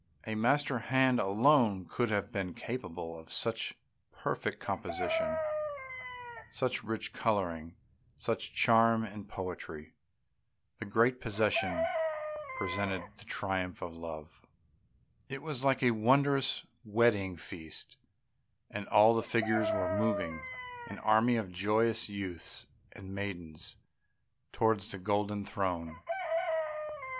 A master hand alone could have been capable of such perfect composition, such rich colouring, such charm and poetry. The great procession represented the triumph of Love. It was like a wondrous wedding feast, and all the figures were moving, an army of joyous youths and maidens, towards a golden throne.